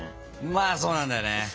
まあそうなんだよね。